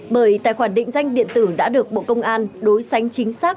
bởi tài khoản định danh điện tử đã được bộ công an đối sánh chính xác